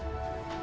karena bapak ini